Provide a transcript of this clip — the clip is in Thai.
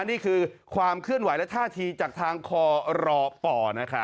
นี่คือความเคลื่อนไหวและท่าทีจากทางคอรป